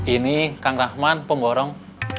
ini kang rahman pemborong